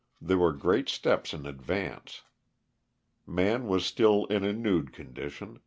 These were great steps in advance. Man was still in a nude condition.